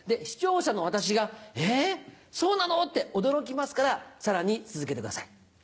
視聴者の私が「え！そうなの？」って驚きますからさらに続けてください。